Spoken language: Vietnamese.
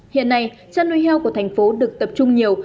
hiện nay chăn nuôi heo của thành phố được tập trung nhiều